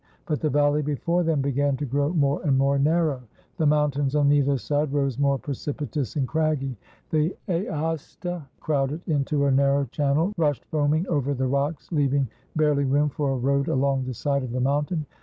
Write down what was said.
But the valley before them began to grow more and more narrow. The mountains on either side rose more precipitous and craggy. The Aosta, crowded into a narrow channel, rushed foaming over the rocks, leaving barely room for a road along the side of the mountain.